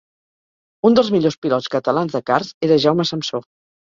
Un dels millors pilots catalans de karts era Jaume Samsó.